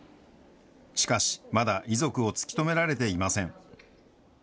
しかし、まだ遺族を突き止められていません。